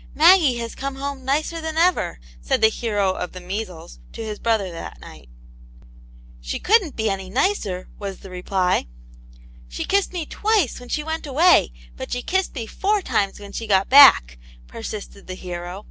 " Maggie has come home nicer than ever," said the hero of the measles to his brother that night. She couldn't be any nicer !" was the reply. " She kissed me twice when she went away, but she kissed me four times when she got back," per sisted the hero.